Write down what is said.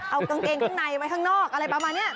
เอากางเกงข้างในไว้ข้างนอกอะไรประมาณนี้